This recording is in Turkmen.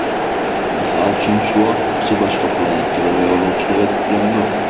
Mysal üçin şuwagtlykça başga planetalara ýolagçylyk edip bilemzok.